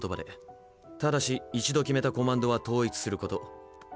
ただし一度決めたコマンドは統一すること。